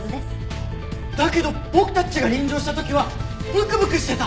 だけど僕たちが臨場した時はブクブクしてた！